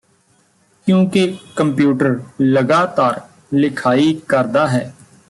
ਕਿਉਂਕਿ ਕੰਪਿਊਟਰ ਲਗਾਤਾਰ ਲਿਖਾਈ ਕਰਦਾ ਹੈ